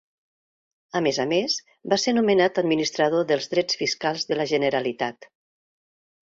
A més a més, va ser nomenat administrador dels drets fiscals de la Generalitat.